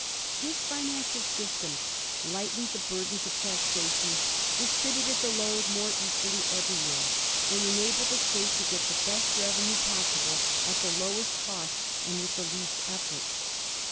His financial systems lightened the burdens of taxation, distributed the load more equally every where, and enabled the State to get the best revenue possible at the lowest cost and with the least effort.